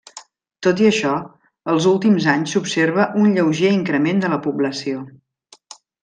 Tot i això, els últims anys s'observa un lleuger increment de la població.